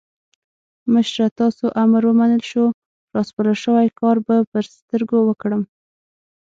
مشره تاسو امر ومنل شو؛ راسپارل شوی کار به پر سترګو وکړم.